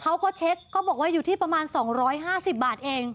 เขาก็เช็คก็บอกว่าอยู่ที่ประมาณ๒๕๐บาทเอง